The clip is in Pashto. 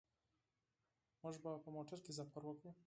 موږ په موټر کې سفر وکړ.